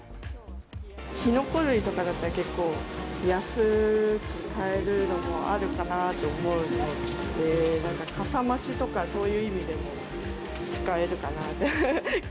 キノコ類とかだったら結構安く買えるのもあるかなと思うので、なんかかさ増しとかそういう意味でも使えるかなって。